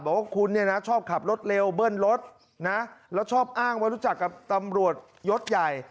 บอกว่าคุณเนี่ยนะชอบขับรถเร็วเบิ้ลรถนะแล้วชอบอ้างว่ารู้จักกับตำรวจยศใหญ่